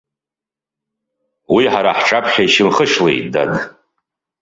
Уи ҳара ҳҿаԥхьа ишьамхышлеит, дад.